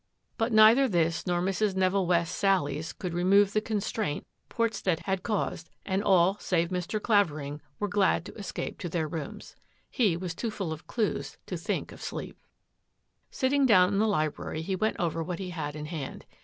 But neither this nor Mrs. Neville West's sallies could remove the constraint Portstead had caused and all, save Mr. Clavering, were glad to escape to their rooms. He was too full of clues to think of sleep. Sitting down in the library, he went over what he had in hand.